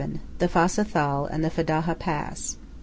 THE FASSA THAL AND THE FEDAJA PASS.